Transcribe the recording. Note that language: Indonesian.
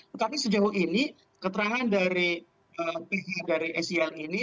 tetapi sejauh ini keterangan dari pihak dari ser ini